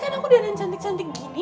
kan aku dianain cantik cantik gini